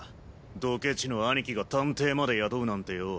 ドケチの兄貴が探偵まで雇うなんてよぉ。